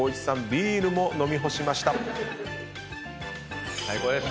ビールも飲み干しました。